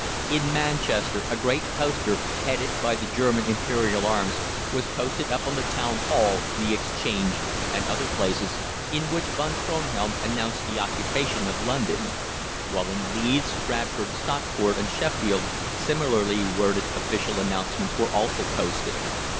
In Manchester, a great poster, headed by the German Imperial arms, was posted up on the Town Hall, the exchange, and other places, in which Von Kronhelm announced the occupation of London; while in Leeds, Bradford, Stockport, and Sheffield similarly worded official announcements were also posted.